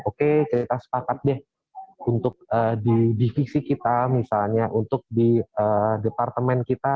oke kita sepakat deh untuk di divisi kita misalnya untuk di departemen kita